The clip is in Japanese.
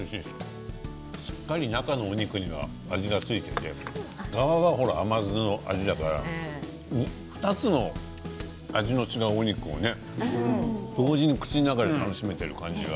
しっかり中のお肉に味が付いていてガワは甘酢の味だから２つの味の違うお肉を同時に口の中で楽しめている感じが。